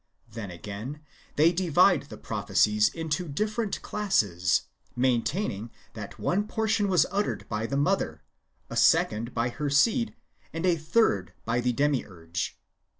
Then, again, they divide the prophecies [into different classes], maintaining that one portion was uttered by the mother, a second by her seed, and a third by the Demiurge.